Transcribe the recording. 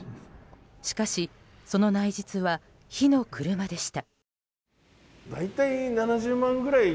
しかし、その内実は火の車でした。